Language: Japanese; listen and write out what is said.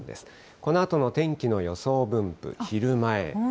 このあとの天気の予想分布、昼前。